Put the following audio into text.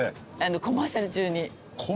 コマーシャル中に？